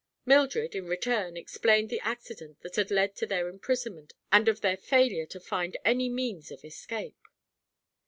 Mildred, in return, explained the accident that had led to their imprisonment and of their failure to find any means of escape.